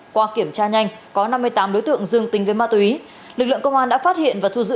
qua kiểm tra nhanh có năm mươi tám đối tượng dương tình với ma túy lực lượng công an đã phát hiện và thu giữ